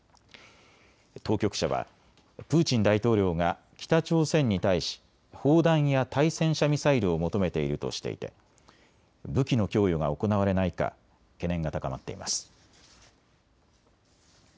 当局者はプーチン大統領が北朝鮮に対し砲弾や対戦車ミサイルを求めているとしていて武器の供与が行われないか懸念が高まっています。